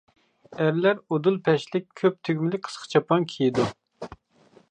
ئەرلەر ئۇدۇل پەشلىك، كۆپ تۈگمىلىك قىسقا چاپان كىيىدۇ.